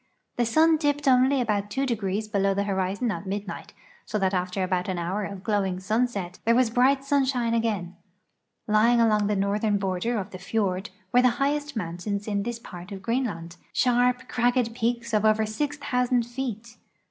The sun dipped only about two degrees below the horizon at midnight, so that after about an hour of glowing sunset there was bright sunshine again, raying along the northern border of the fiord were the highest mountains in this part of Greenland, sharp, cragged peaks of over 6,000 feet.